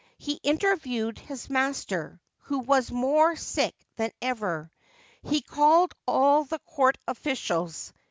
He interviewed his master, who was more sick than ever. He called all the Court officials.